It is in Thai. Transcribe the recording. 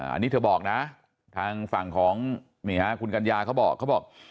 อันนี้เธอบอกนะทางฝั่งของมีหาคุณกัลยาเขาบอก